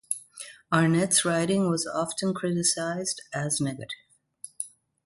Arnett's writing was often criticized as negative.